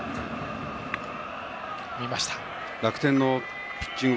楽天のピッチング